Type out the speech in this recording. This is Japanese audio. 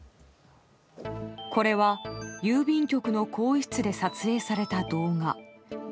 これは郵便局の更衣室で撮影された動画。